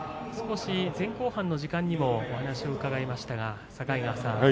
前後半の時間にも話を伺いましたが、境川さん